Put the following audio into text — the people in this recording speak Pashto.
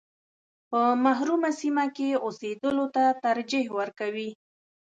په محرومه سیمه کې اوسېدلو ته ترجیح ورکوي.